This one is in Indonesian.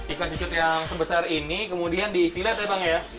ikan cucut yang sebesar ini kemudian diisi lihat ya bang ya